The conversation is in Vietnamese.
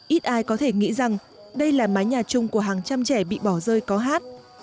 ít ai có thể nghĩ rằng đây là mái nhà chung của hàng trăm trẻ bị bỏ rơi có hát